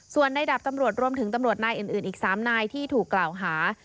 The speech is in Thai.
ส่วนในดับตำรวจรวมถึงตำรวจนายอื่นอีก๓นายที่ถูกกล่าวหา